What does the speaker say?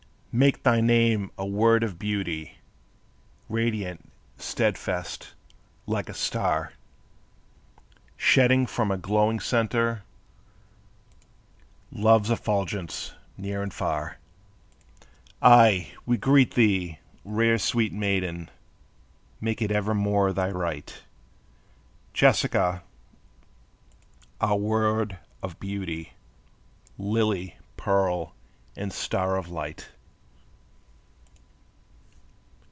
Make thy name a word of beauty, Radiant, steadfast, like a star; Shedding from a glowing center Love's effulgence near and far. Aye, we greet thee, rare sweet maiden, (Make it evermore thy right), Jessica our word of beauty, Lily, pearl, and star of light.